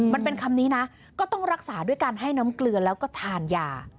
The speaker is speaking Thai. มันเป็นคำนี้นะก็ต้องรักษาด้วยการให้น้ำเกลือแล้วก็ทานยา